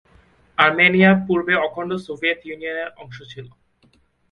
Armenia পূর্বে অখণ্ড Soviet Union এর অংশ ছিল।